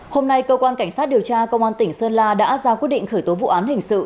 hôm nay cơ quan cảnh sát điều tra công an tỉnh sơn la đã ra quyết định khởi tố vụ án hình sự